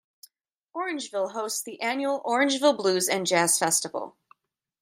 Orangeville hosts the annual Orangeville Blues and Jazz Festival.